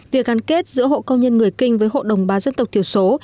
việc gắn kết giữa hộ công nhân người kinh với hộ đồng bào dân tộc thiểu số